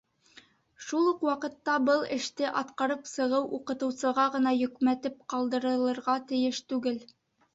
Шул уҡ ваҡытта был эште атҡарып сығыу уҡытыусыға ғына йөкмәтеп ҡалдырылырға тейеш түгел.